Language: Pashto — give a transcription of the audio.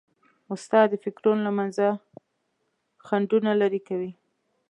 استاد د فکرونو له منځه خنډونه لیري کوي.